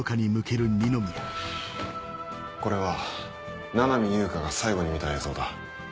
これは七海悠香が最後に見た映像だ。